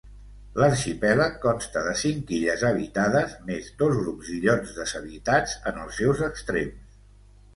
L'arxipèlag consta de cinc illes habitades més dos grups d'illots deshabitats en els seus extrems.